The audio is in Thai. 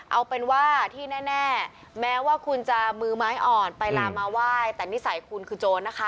เอาเป็นว่าที่แน่แม้ว่าคุณจะมือไม้อ่อนไปลามาไหว้แต่นิสัยคุณคือโจรนะคะ